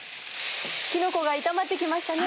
きのこが炒まって来ましたね。